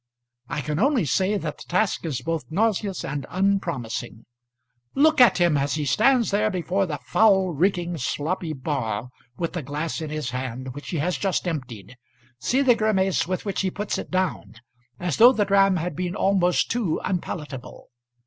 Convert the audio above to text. I can only say that the task is both nauseous and unpromising. Look at him as he stands there before the foul, reeking, sloppy bar, with the glass in his hand, which he has just emptied. See the grimace with which he puts it down, as though the dram had been almost too unpalatable.